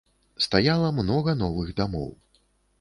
Стаяла многа новых дамоў.